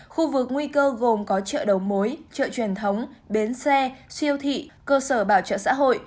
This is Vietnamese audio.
khu vực nguy cơ gồm có chợ đầu mối chợ truyền thống bến xe siêu thị cơ sở bảo trợ xã hội